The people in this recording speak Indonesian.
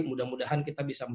mudah mudahan kita bisa